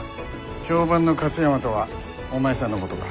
評判の勝山とはお前さんのことか？